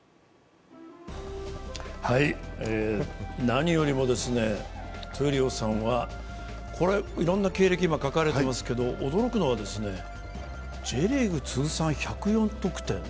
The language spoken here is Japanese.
何よりも闘莉王さんは、いろんな経歴、書かれていますけれども、驚くのはＪリーグ通算１０４得点。